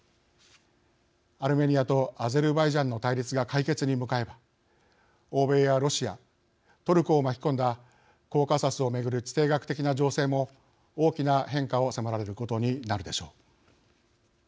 アルメニアとアゼルバイジャンの対立が解決に向かえば欧米やロシア、トルコを巻き込んだコーカサスを巡る地政学的な情勢も大きな変化を迫られることになるでしょう。